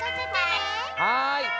はい！